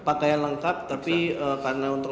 pakaian lengkap tapi karena untuk